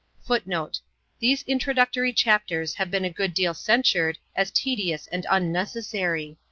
[Footnote: These Introductory Chapters have been a good deal censured as tedious and unnecessary.